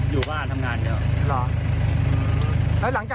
รู้ว่าโดนที่ขาแล้วมันชา